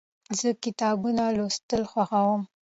زه کتابونه لوستل خوښوم.